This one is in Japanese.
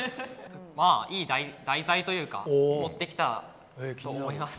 まあいい題材というか持ってきたと思います。